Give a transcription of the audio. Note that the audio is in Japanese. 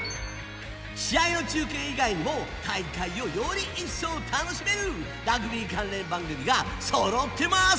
試合の中継以外にも大会をより一層楽しめるラグビー関連番組がそろってます。